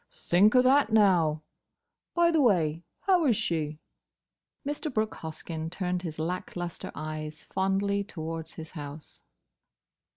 "Think o' that, now!—By the way, how is she?" Mr. Brooke Hoskyn turned his lack lustre eyes fondly towards his house.